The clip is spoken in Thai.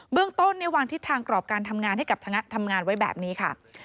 เรื่องต้นวางทิศทางกรอบการทำงานให้กับคณะทำงานไว้แบบนี้ค่ะ